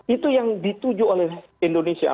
itu yang dituju oleh indonesia